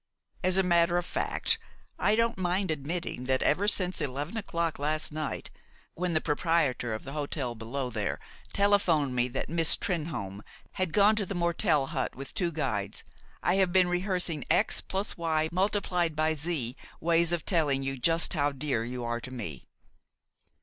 "As a matter of fact, I don't mind admitting that ever since eleven o'clock last night, when the proprietor of the hotel below there telephoned to me that Miss Trenholme had gone to the Mortel hut with two guides, I have been rehearsing X plus Y multiplied by Z ways of telling you just how dear you are to me.